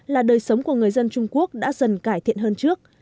là đời sống của người dân trung quốc đã dần cải thiện hơn trước